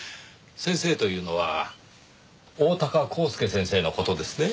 先生というのは大鷹公介先生の事ですね？